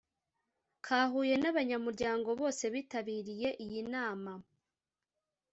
ka Huye n abanyamuryango bose bitabiriye iyi nama